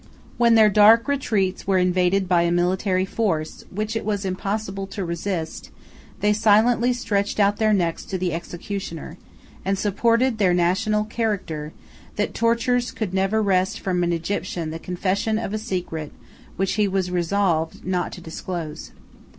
When their dark retreats were invaded by a military force, which it was impossible to resist, they silently stretched out their necks to the executioner; and supported their national character, that tortures could never wrest from an Egyptian the confession of a secret which he was resolved not to disclose.